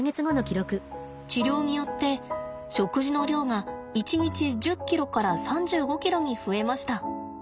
治療によって食事の量が一日１０ｋｇから３５ｋｇに増えました。